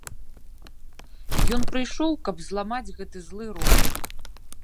Ён прыйшоў, каб зламаць гэты злы рок.